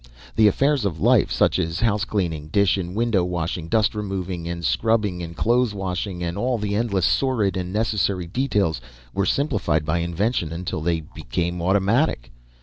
The affairs of life, such as house cleaning, dish and window washing, dust removing, and scrubbing and clothes washing, and all the endless sordid and necessary details, were simplified by invention until they became automatic.